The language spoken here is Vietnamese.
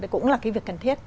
cũng là cái việc cần thiết